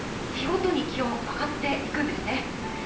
日ごとに気温、上がっていくんですね。